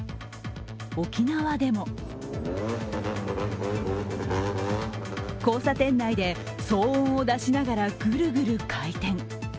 沖縄でも交差点内で騒音を出しながらぐるぐる回転。